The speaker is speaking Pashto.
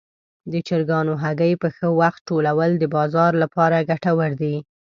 د چرګانو هګۍ په ښه وخت ټولول د بازار لپاره ګټور دي.